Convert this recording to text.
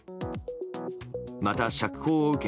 また釈放を受け